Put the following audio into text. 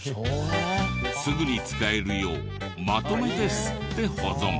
すぐに使えるようまとめて擦って保存。